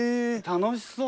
楽しそう！